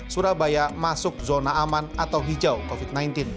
surabaya masuk zona aman atau hijau covid sembilan belas